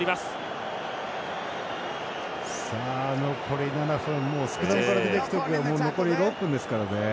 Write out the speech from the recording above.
残り７分スクラムから出てきたら残り６分ですからね。